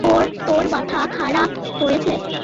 তোর মাথা খারাপ হয়েছে?